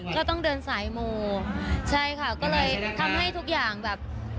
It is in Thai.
ก็ต้องเดินสายมูใช่ค่ะก็เลยทำให้ทุกอย่างแบบ